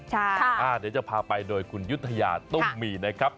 เดี๋ยวจะพากันโดยคุณยุทยาตุ้มีด้วย